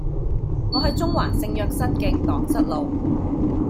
我喺中環聖若瑟徑盪失路